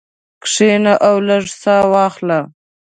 کښېنه او لږه ساه واخله.